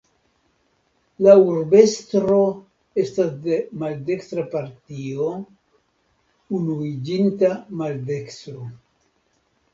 La urbestro estas de maldekstra partio Unuiĝinta Maldekstro.